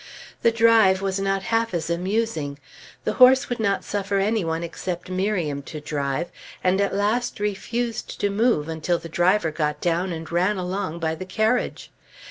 The drive was not half as amusing. The horse would not suffer any one except Miriam to drive, and at last refused to move until the driver got down and ran along by the carriage.